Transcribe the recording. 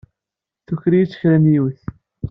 Tuker-iyi-t kra n yiwet.